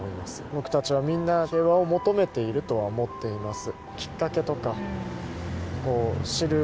僕たちはみんな、平和を求めているとは思っています。